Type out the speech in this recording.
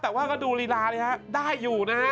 แต่ว่าก็ดูลีลาเลยฮะได้อยู่นะฮะ